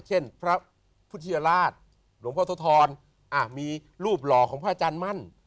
เช่นพระพุทธยราชหลวงพ่อโสธรมีรูปหล่อของพระอาจารย์มั่น